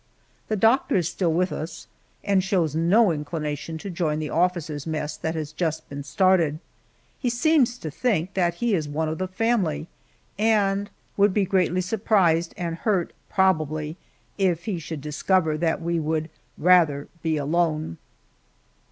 The doctor is still with us, and shows no inclination to join the officers' mess that has just been started. He seems to think that he is one of the family, and would be greatly surprised, and hurt probably, if he should discover that we would rather be alone.